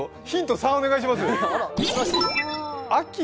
３お願いします。